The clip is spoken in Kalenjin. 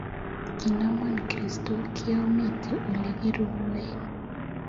kinamaan koristo akyamite olegiruen